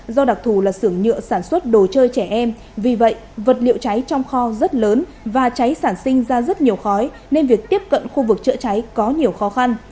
do đặc thù là xưởng nhựa sản xuất đồ chơi trẻ em vì vậy vật liệu cháy trong kho rất lớn và cháy sản sinh ra rất nhiều khói nên việc tiếp cận khu vực chữa cháy có nhiều khó khăn